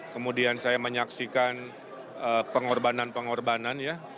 kemudian saya menyaksikan pengorbanan pengorbanan ya